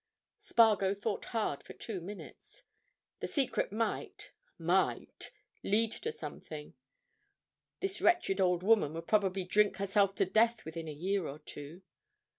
Spargo thought hard for two minutes. The secret might—might!—lead to something big. This wretched old woman would probably drink herself to death within a year or two.